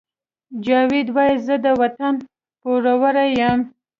جاوید وایی زه د وطن پوروړی یم